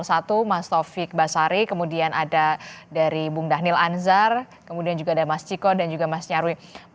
ada dari kubu satu mas taufik basari kemudian ada dari bung dah nil anzhar kemudian juga ada mas cikon dan juga mas nyarwi